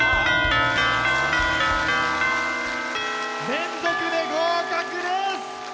連続で合格です！